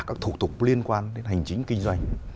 các thủ tục liên quan đến hành chính kinh doanh